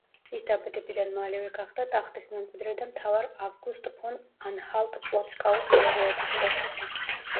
ის დაბადებიდან მალევე გახდა ტახტის მემკვიდრე და მთავარ ავგუსტ ფონ ანჰალტ-პლოცკაუს მეურვეობის ქვეშ იყო.